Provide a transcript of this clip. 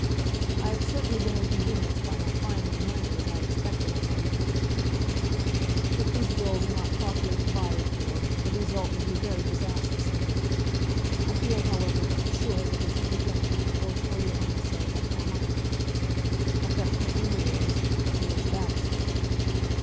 I have certainly been inconvenienced by not finding the money as I expected on my return to town. If these bills are not properly provided for, the result will be very disastrous to me. I feel, however, sure that this will be done, both for your own sake and for mine. Affectionately yours, GEORGE VAVASOR.